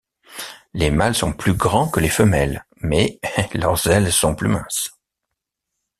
Les mâles sont plus grands que les femelles, mais leurs ailes sont plus minces.